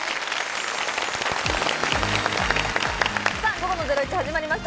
午後の『ゼロイチ』始まりました。